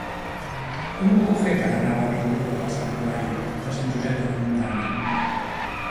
Com ho puc fer per anar a l'avinguda del Santuari de Sant Josep de la Muntanya?